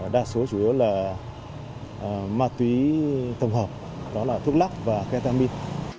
đa số chủ yếu là ma túy tổng hợp đó là thuốc lắc và ketamin